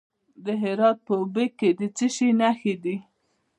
د هرات په اوبې کې د څه شي نښې دي؟